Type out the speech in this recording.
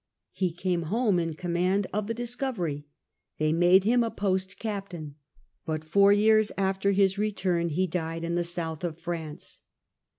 He came home in command of the Discover jf. They made him a })ost captain, but four years after his return he died in the south of France.